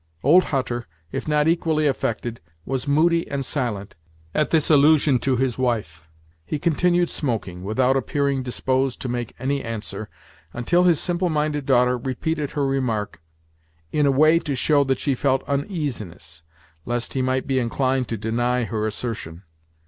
Old Hutter, if not equally affected, was moody and silent at this allusion to his wife. He continued smoking, without appearing disposed to make any answer, until his simple minded daughter repeated her remark, in a way to show that she felt uneasiness lest he might be inclined to deny her assertion.